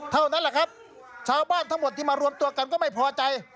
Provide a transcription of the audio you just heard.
เท่านั้นแหละครับชาวบ้านทั้งหมดที่มารวมตัวกันก็ไม่พอใจ